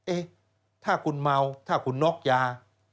เอ๊ะถ้าคุณเมาถ้าคุณน็อกยา